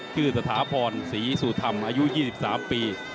สถาพรศรีสุธรรมอายุ๒๓ปี